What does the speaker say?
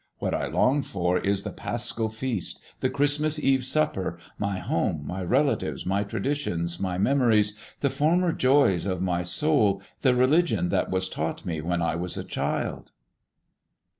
What I long for is the Paschal feast, the Christmas Eve supper, my home, my relatives, my traditions, my memories, the former joys of my soul, the religion that was taught me when I was a child.